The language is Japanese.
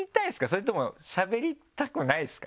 それともしゃべりたくないですか？